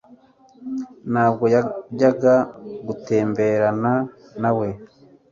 Ntabwo yajyaga gutemberana nawe